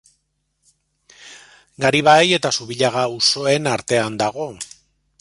Garibai eta Zubillaga auzoen artean dago.